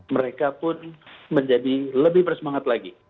mereka pun menjadi lebih bersemangat lagi